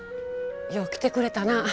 よう来てくれたなぁ。